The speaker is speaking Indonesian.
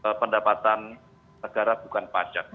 kalau pendapatan negara bukan pajak